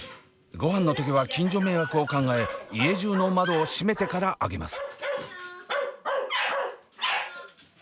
ごはんの時は近所迷惑を考え家中の窓を閉めてからあげます。